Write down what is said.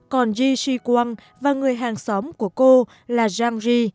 còn ji shiguang và người hàng xóm của cô là zhang ji